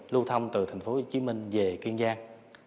lưu thông từ thành phố hồ chí minh về kiên giang